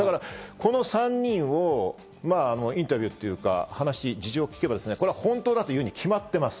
この３人をインタビューというか、事情を聞けば、本当だと言うに決まっています。